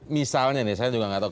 misalnya nih saya juga nggak tahu